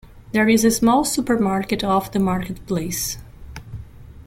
There is a small supermarket off the Market Place.